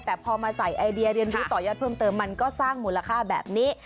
แต่พอมาใส่ไอเดียเรียนรู้ต่อยอดเพิ่มเติมมันก็สร้างมูลค่าแบบนี้